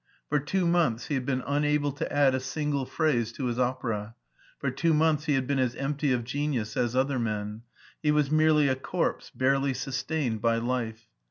For two months he had been unable to add a single phrase to his opera; for two months he had been as empty of genius as other men ; he was merely a corpse, barely sustained by life.